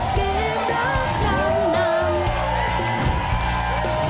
เกมรับทางน้ำ